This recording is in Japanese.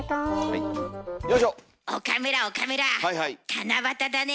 七夕だね。